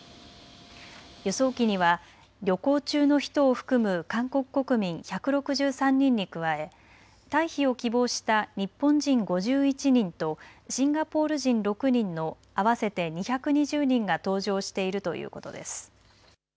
輸送機には旅行中の人を含む韓国国民１６３人に加え退避を希望した日本人５１人とシンガポール人６人の合わせて２２０人が搭乗しているということです。